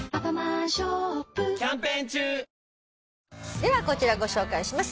ではこちらご紹介します。